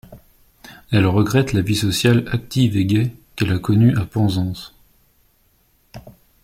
Elle regrette la vie sociale active et gaie qu'elle a connue à Penzance.